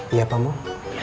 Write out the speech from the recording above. iya pak mul